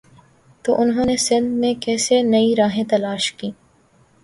تو انہوں نے سندھ میں کیسے نئی راہیں تلاش کیں۔